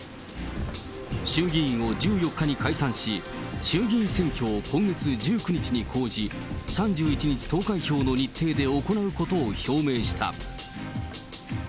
衆議院を１４日に解散し、衆議院選挙を今月１９日に公示、３１日投開票の日程で行うことを表明した。